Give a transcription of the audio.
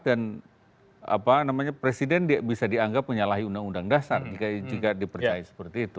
dan presiden bisa dianggap menyalahi undang undang dasar jika dipercaya seperti itu